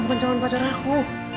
meka bukan calon pacar aku